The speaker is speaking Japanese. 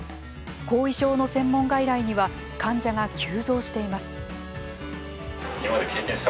後遺症の専門外来には患者が急増しています。